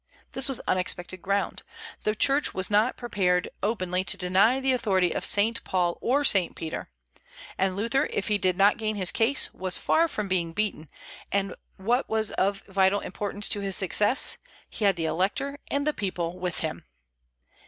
This was unexpected ground. The Church was not prepared openly to deny the authority of Saint Paul or Saint Peter; and Luther, if he did not gain his case, was far from being beaten, and what was of vital importance to his success he had the Elector and the people with him.